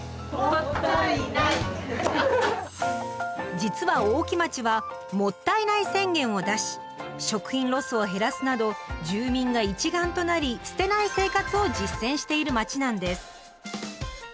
実は大木町は「もったいない宣言」を出し食品ロスを減らすなど住民が一丸となり捨てない生活を実践している町なんです。